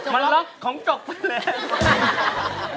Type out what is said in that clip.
มันล็อกของจกไปเลย